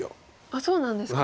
あっそうなんですか。